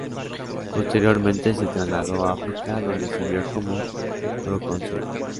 Posteriormente se trasladó a África, donde sirvió como procónsul.